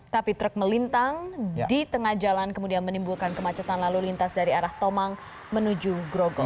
tapi truk melintang di tengah jalan kemudian menimbulkan kemacetan lalu lintas dari arah tomang menuju grogol